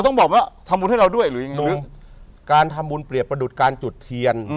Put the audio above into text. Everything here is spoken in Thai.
นุงการทำบุญเปรียบประดุษการจุดเทียน